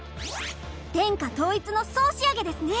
天下統一の総仕上げですね。